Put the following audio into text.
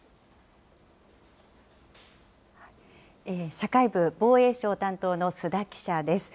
社会部・防衛省担当の須田記者です。